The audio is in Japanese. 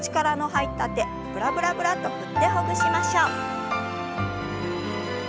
力の入った手ブラブラブラッと振ってほぐしましょう。